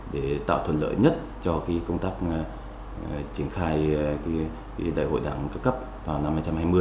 để tạo thuận lợi nhất cho công tác triển khai đại hội đảng cấp cấp vào năm hai nghìn hai mươi